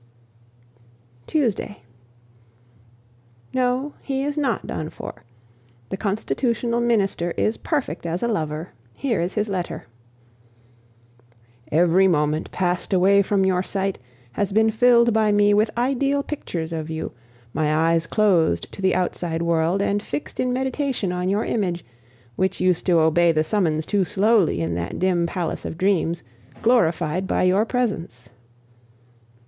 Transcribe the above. Tuesday. No, he is not done for. The constitutional minister is perfect as a lover. Here is his letter: "Every moment passed away from your sight has been filled by me with ideal pictures of you, my eyes closed to the outside world and fixed in meditation on your image, which used to obey the summons too slowly in that dim palace of dreams, glorified by your presence.